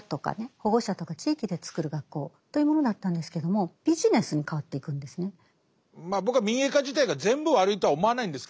保護者とか地域で作る学校というものだったんですけどもまあ僕は民営化自体が全部悪いとは思わないんですけど。